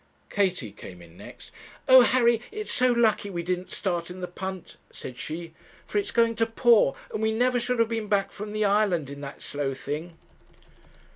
Katie came in next. 'Oh! Harry, it's so lucky we didn't start in the punt,' said she, 'for it's going to pour, and we never should have been back from the island in that slow thing.'